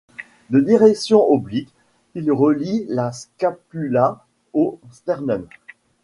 De direction oblique, il relie la scapula au sternum.